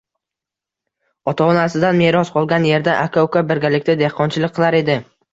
Ota-onasidan meros qolgan erda aka-uka birgalikda dehqonchilik qilar edi